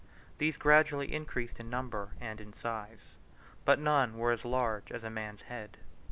These gradually increased in number and in size, but none were as large as a man's head.